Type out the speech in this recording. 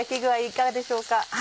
いかがでしょうか？